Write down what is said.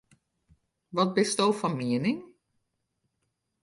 Wat bisto fan miening?